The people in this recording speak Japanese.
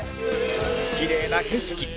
きれいな景色